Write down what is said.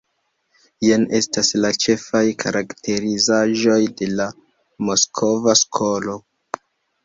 Jen estas la ĉefaj karakterizaĵoj de la Moskva skolo.